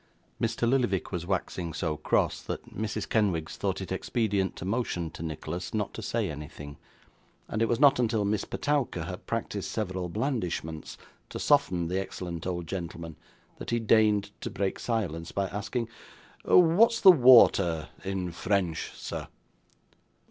Mr. Lillyvick was waxing so cross, that Mrs. Kenwigs thought it expedient to motion to Nicholas not to say anything; and it was not until Miss Petowker had practised several blandishments, to soften the excellent old gentleman, that he deigned to break silence by asking, 'What's the water in French, sir?